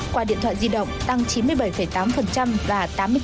qua điện thoại di động tăng chín mươi bảy tám và tám mươi bốn hai